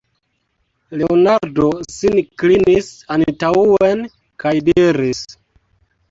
Leonardo sin klinis antaŭen kaj diris: